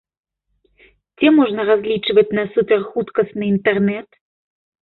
Дзе можна разлічваць на суперхуткасных інтэрнэт?